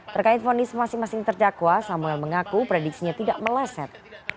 terkait fonis masing masing terdakwa samuel mengaku prediksinya tidak meleset